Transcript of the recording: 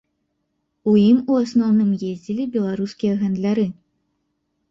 У ім у асноўным ездзілі беларускія гандляры.